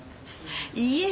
いいえ。